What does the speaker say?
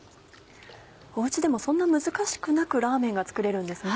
お家でもそんな難しくなくラーメンが作れるんですね。